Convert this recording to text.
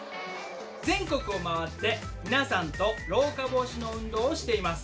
全国を回って皆さんと老化防止の運動をしています。